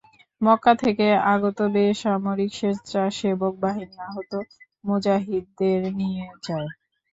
মক্কা থেকে আগত বেসামরিক স্বেচ্ছাসেবক বাহিনী আহত মুজাহিদদের নিয়ে যায়।